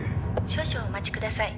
「少々お待ちください」